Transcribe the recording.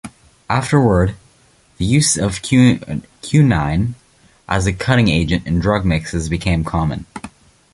Afterward, the use of quinine as a cutting agent in drug mixes became common.